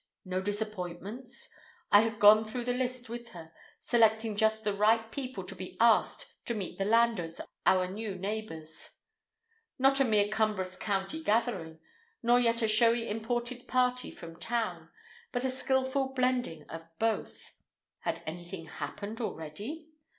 No disappointments? I had gone through the list with her, selecting just the right people to be asked to meet the Landors, our new neighbors. Not a mere cumbrous county gathering, nor yet a showy imported party from town, but a skillful blending of both. Had anything happened already?